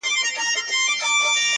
• چي هر چا ویل احسان د ذوالجلال وو -